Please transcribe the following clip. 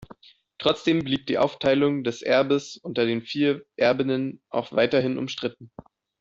Trotzdem blieb die Aufteilung des Erbes unter den vier Erbinnen auch weiterhin umstritten.